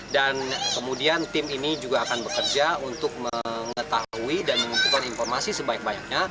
dan kemudian tim ini juga akan bekerja untuk mengetahui dan mengumpulkan informasi sebaik baiknya